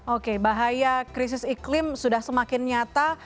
oke bahaya krisis iklim sudah semakin nyata